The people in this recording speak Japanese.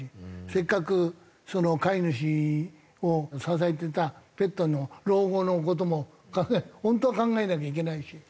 せっかく飼い主を支えてたペットの老後の事も本当は考えなきゃいけないし。